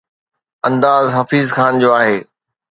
انداز حفيظ خان جو آهي.